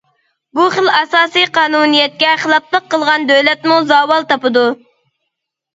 بۇ خىل ئاساسىي قانۇنىيەتكە خىلاپلىق قىلغان دۆلەتمۇ زاۋال تاپىدۇ.